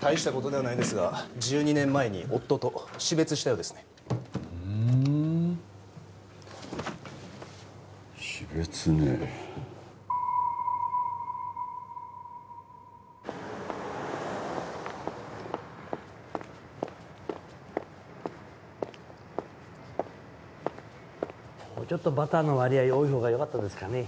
大したことではないですが１２年前に夫と死別したようですねふん死別ねえもうちょっとバターの割合多いほうがよかったですかね